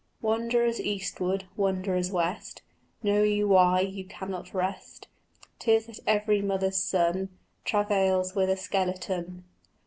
"Wanderers eastward, wanderers west, Know you why you cannot rest? 'Tis that every mother's son Travails with a skeleton."